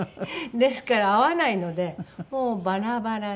ですから合わないのでもうバラバラで。